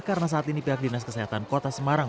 karena saat ini pihak dinas kesehatan kota semarang